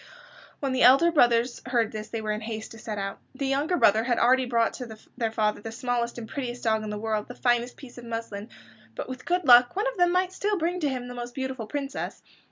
When the elder brothers heard this they were in haste to set out. The youngest brother had already brought to their father the smallest and prettiest dog in the world, and the finest piece of muslin, but with good luck one of them might still bring to him the most beautiful princess.